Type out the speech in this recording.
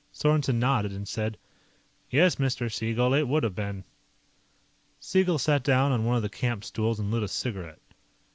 Sorensen nodded and said, "Yes, Mr. Siegel, it would've been." Siegel sat down on one of the camp stools and lit a cigarette.